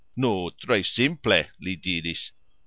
"Nu, tre simple," li diris.